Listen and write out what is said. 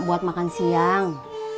buat makan siang